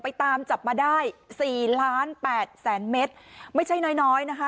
ตามจับมาได้สี่ล้านแปดแสนเมตรไม่ใช่น้อยน้อยนะคะ